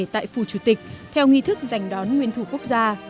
tại phủ chủ tịch theo nghi thức giành đón nguyên thủ quốc gia